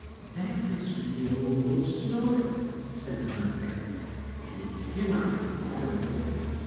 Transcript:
"That must be the old wolf snoring," said the mother goat, "and he cannot be far away.